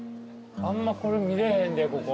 あんまこれ見れへんでここ。